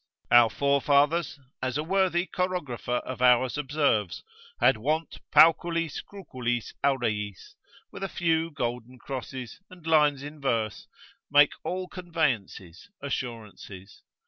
Our forefathers, as a worthy chorographer of ours observes, had wont pauculis cruculis aureis, with a few golden crosses, and lines in verse, make all conveyances, assurances.